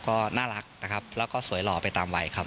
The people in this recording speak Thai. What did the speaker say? ก็น่ารักนะครับแล้วก็สวยหล่อไปตามวัยครับ